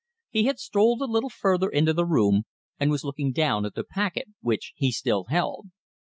He had strolled a little further into the room, and was looking down at the packet which he still held.